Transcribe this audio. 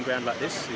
ini luar biasa